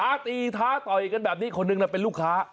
ตีท้าต่อยกันแบบนี้คนหนึ่งเป็นลูกค้า